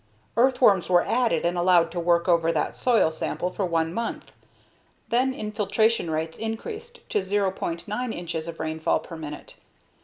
Earthworms were added and allowed to work over that soil sample for one month. Then, infiltration rates increased to 0.9 inches of rainfall per minute.